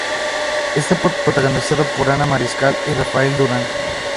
Está protagonizada por Ana Mariscal y Rafael Durán.